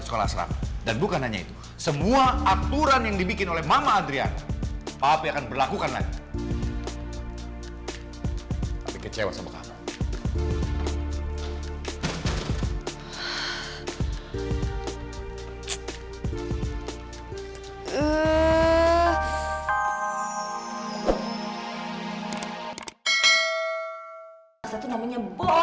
sister saya mau administrasi anak saya